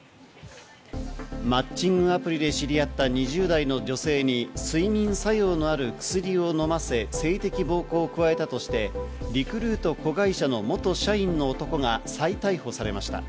マッチングアプリで知り合った２０代の女性に睡眠作用のある薬を飲ませ性的暴行を加えたとして、リクルート子会社の元社員の男が再逮捕されました。